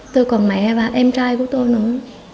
tôi còn mẹ và em trai của tôi nữa